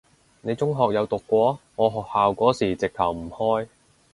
你中學有讀過？我學校嗰時直頭唔開